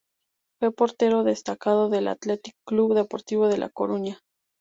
Fue portero destacado del Athletic Club y Deportivo de la Coruña.